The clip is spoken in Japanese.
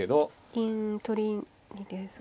銀取りにですか。